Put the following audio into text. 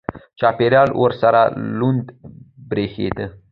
چاپېریال ورسره لوند برېښېده.